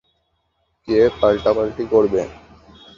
কে পাল্টাপাল্টি করবে?